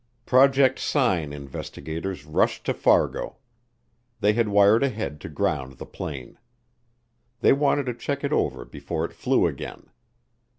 Project Sign investigators rushed to Fargo. They had wired ahead to ground the plane. They wanted to check it over before it flew again.